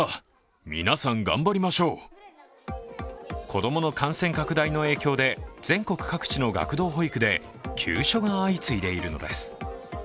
子供の感染拡大の影響で全国各地の学童保育で休所が相次いでいるのです。